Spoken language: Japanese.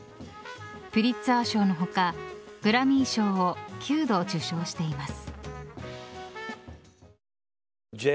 ピュリツァー賞の他グラミー賞を９度受賞しています。